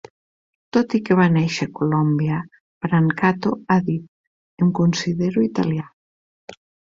Tot i que va néixer a Colòmbia, Brancato ha dit "Em considero italià".